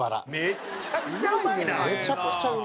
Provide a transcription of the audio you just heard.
めちゃくちゃうまいんですね。